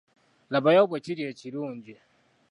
Labayo bwe kiri ekirungi.